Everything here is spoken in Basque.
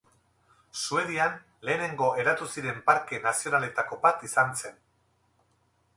Suedian lehenengo eratu ziren parke nazionaletako bat izan zen.